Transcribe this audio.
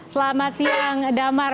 selamat siang damar